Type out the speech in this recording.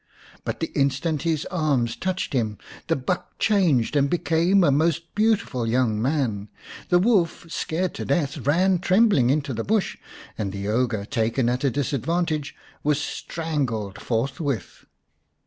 But the instant his arms touched him the buck changed, and became a most beautiful young man. The wolf, scared to death, ran trembling into the bush, and the ogre, taken at a disadvantage, was strangled forthwith.